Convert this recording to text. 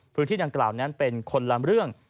พื้นที่ดังกล่าวนั้นเป็นคนละเรื่อง